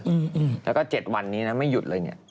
เนี่ยเนี่ยแล้วก็๗วันนี้ไม่หยุดเลยอีก